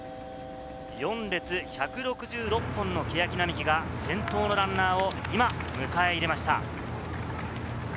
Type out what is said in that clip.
４列１６６本のケヤキ並木が先頭のランナーを今、迎え入れました。